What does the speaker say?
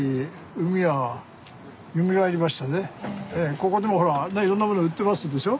ここでもほらあんないろんなもの売ってますでしょ？